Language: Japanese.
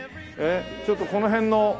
ちょっとこの辺の。